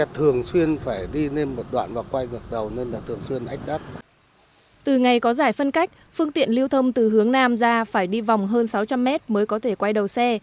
từ ngày có giải phân cách phương tiện lưu thông từ hướng nam ra phải đi vòng hơn sáu trăm linh mét mới có thể quay đầu xe